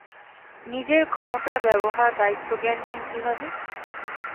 নিজের ক্ষমতার ব্যবহার দায়িত্বজ্ঞানহীন কীভাবে?